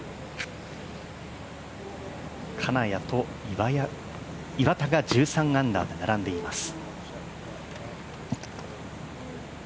金谷と岩田が１３アンダーで並んでいます。